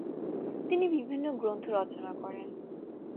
তিনি বিভিন্ন গ্রন্থ রচনা করেন।